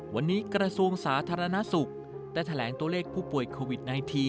วันนี้กระทรวงสาธารณสุขได้แถลงตัวเลขผู้ป่วยโควิด๑๙